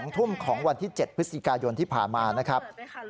๒ทุ่มของวันที่๗พฤศจิกายนที่ผ่านมานะครับ